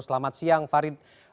selamat siang farid